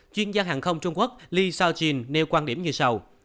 chuyên gia hàng không trung quốc li shaojin nêu quan điểm như sau